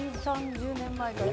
２０３０年前から。